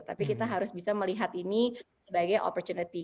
tapi kita harus bisa melihat ini sebagai opportunity